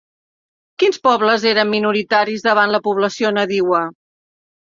Quins pobles eren minoritaris davant la població nadiua?